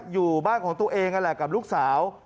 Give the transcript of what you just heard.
อยู่บ้านของตัวเองกับลูกสาว